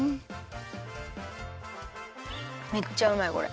めっちゃうまいこれ。